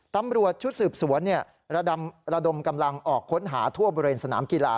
ตำรวจชุดสืบสวนระดมกำลังออกค้นหาทั่วบริเวณสนามกีฬา